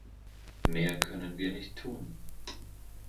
Mehr können wir nicht tun.